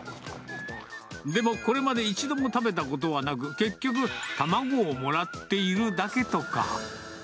でも、これまで一度も食べたことはなく、結局、卵をもらっているだけとか。